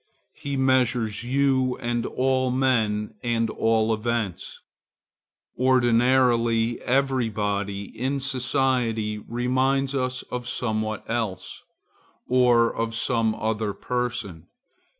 He measures you and all men and all events. Ordinarily, every body in society reminds us of somewhat else, or of some other person.